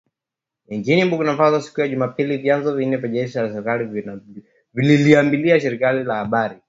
nchini Burkina Faso siku ya Jumapili vyanzo vinne vya jeshi la serikali vililiambia shirika la habari